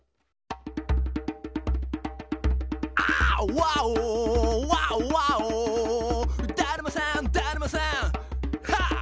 ワオワオワオだるまさんだるまさんハッ！